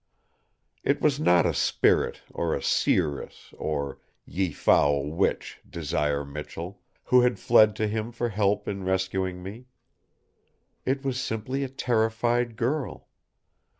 It was not a spirit or a seeress or "ye foule witch, Desire Michell" who had fled to him for help in rescuing me. It was simply a terrified girl.